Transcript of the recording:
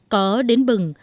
có đến bừng